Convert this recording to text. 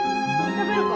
食べるか？